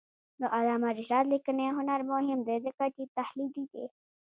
د علامه رشاد لیکنی هنر مهم دی ځکه چې تحلیلي دی.